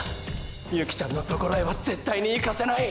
雪成ちゃんのところへは絶対に行かせない！！